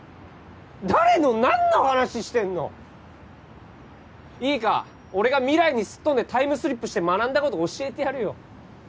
誰の何の話してんのいいか俺が未来にすっ飛んでタイムスリップして学んだこと教えてやるよ